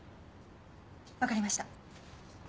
わかりました。